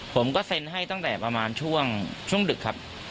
ผมก็เซ็นให้ตั้งแต่ประมาณช่วงดึกครับ